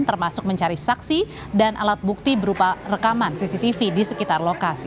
termasuk mencari saksi dan alat bukti berupa rekaman cctv di sekitar lokasi